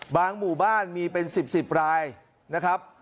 หมู่บ้านมีเป็น๑๐๑๐รายนะครับ